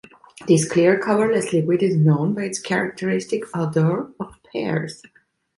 This clear, colorless liquid is known by its characteristic odor of pears.